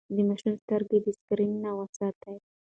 د ماشوم سترګې د سکرين نه وساتئ.